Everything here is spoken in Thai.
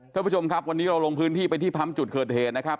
ท่านผู้ชมครับวันนี้เราลงพื้นที่ไปที่ปั๊มจุดเกิดเหตุนะครับ